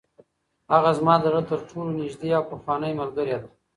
هغه زما د زړه تر ټولو نږدې او پخوانۍ ملګرې ده.